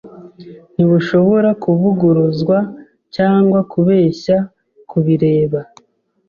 ntibushobora kuvuguruzwa cyangwa kubeshya kubireba.